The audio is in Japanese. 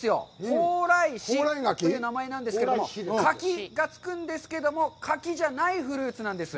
「蓬莱柿」という名前なんですけども、柿がつくんですけれども、柿じゃないフルーツなんです。